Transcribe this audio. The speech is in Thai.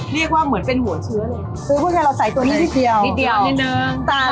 เรียกว่าเหมือนเป็นหัวเชื้อเลยคือผู้ชายเราใส่ตัวนี้นิดเดียวนิดเดียวนิดนึง